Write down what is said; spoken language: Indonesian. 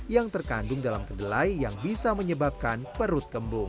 yang terkandung dalam kedelai yang bisa menyebabkan perut kembung